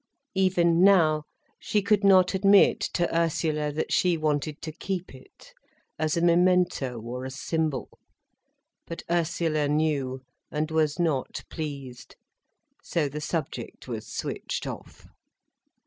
Even now, she could not admit, to Ursula, that she wanted to keep it, as a memento, or a symbol. But Ursula knew, and was not pleased. So the subject was switched off.